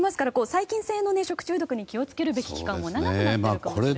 細菌性の食中毒に気を付けるべき期間も長くなっていますよね。